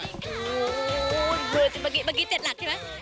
บางทีเจ็ดหลักใช่ไหม